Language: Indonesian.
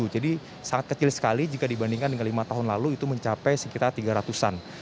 jadi sangat kecil sekali jika dibandingkan dengan lima tahun lalu itu mencapai sekitar tiga ratus an